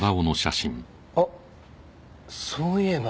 あっそういえば。